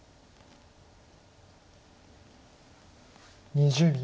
２０秒。